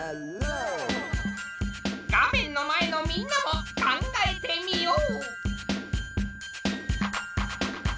画面の前のみんなも考えてみよう！